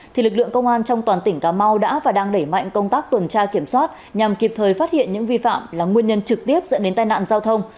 thì lực lượng công an trong toàn tỉnh cà mau đã và đang đẩy mạnh công tác tuần tra kiểm soát nhằm kịp thời phát hiện những vi phạm là nguyên nhân trực tiếp dẫn đến tai nạn giao thông